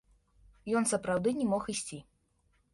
Ён сапраўды не мог ісці.